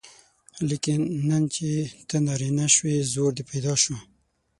لیکن نن چې ته نارینه شوې زور دې پیدا شو.